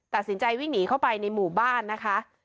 ตัดสินใจวิ่งหนีเข้าไปในหมู่บ้านนะคะ